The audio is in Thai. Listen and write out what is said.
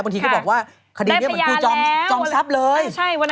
บางทีก็บอกว่าคดีมันคู่จองทรัพย์เลย